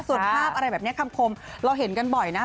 ส่วนภาพอะไรแบบนี้คำคมเราเห็นกันบ่อยนะ